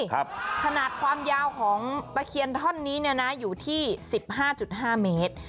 ครับขนาดความยาวของตะเคียนท่อนนี้เนี่ยนะอยู่ที่สิบห้าจุดห้าเมตร